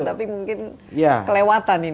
tapi mungkin kelewatan ini